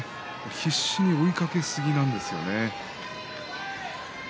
必死に追いかけすぎなんですよね。